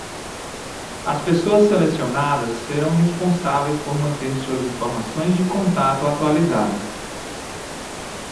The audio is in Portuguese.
As pessoas selecionadas serão responsáveis por manter suas informações de contato atualizadas.